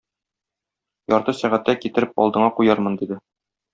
Ярты сәгатьтә китереп алдыңа куярмын, - диде.